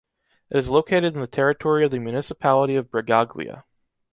It is located in the territory of the municipality of Bregaglia.